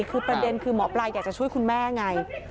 คือประเด็นคือหมอปลาอยากจะช่วยคุณแม่ไง